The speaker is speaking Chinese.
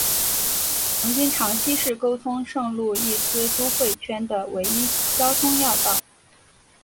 曾经长期是沟通圣路易斯都会圈的唯一的交通要道。